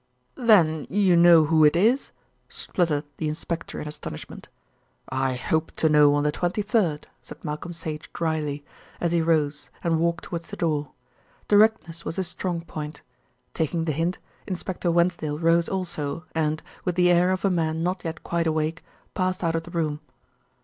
"Then you know who it is?" spluttered the inspector in astonishment. "I hope to know on the 23rd," said Malcolm Sage dryly, as he rose and walked towards the door. Directness was his strong point. Taking the hint, Inspector Wensdale rose also and, with the air of a man not yet quite awake, passed out of the room.